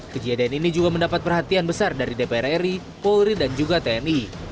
kejadian ini juga mendapat perhatian besar dari dpr ri polri dan juga tni